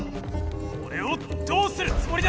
おれをどうするつもりだ！